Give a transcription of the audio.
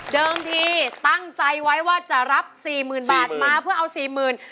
เดิมที่ตั้งใจไว้ว่าจะรับ๔๐๐๐๐บาทมาเพื่อเอา๔๐๐๐๐บาท